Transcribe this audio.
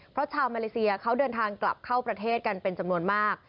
เพราะชาวมาเลเซียเขาเดินทางกลับเข้าประเทศกันเป็นจำนวนมาก